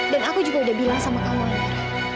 dan aku juga udah bilang sama kamu andara